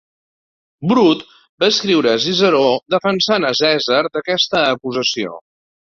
Brut va escriure a Ciceró defensant a Cèsar d'aquesta acusació.